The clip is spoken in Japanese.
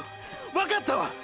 わかったわ！！